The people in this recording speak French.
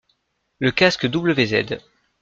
Le casque wz.